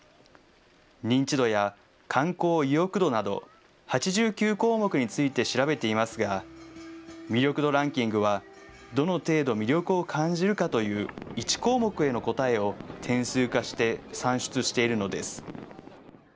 認知度や観光意欲度など、８９項目について調べていますが、魅力度ランキングは、どの程度魅力を感じるかという１項目への答えを点数化して算出しているのです。